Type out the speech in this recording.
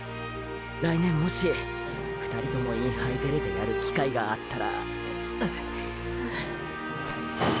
来年もし２人ともインハイ出れてやる機会があったら――。ッ。